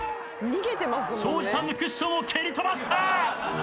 庄司さんのクッションを蹴り飛ばした。